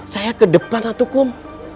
saya ke depan atuh kum